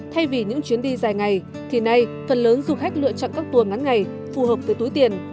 thay vì những chuyến đi dài ngày thì nay phần lớn du khách lựa chọn các tour ngắn ngày phù hợp với túi tiền